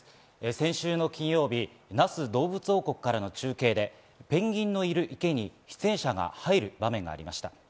先週金曜日、那須どうぶつ王国からの中継で、ペンギンがいる池に出演者が入る場面がありました。